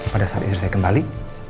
pada saat istri saya kembali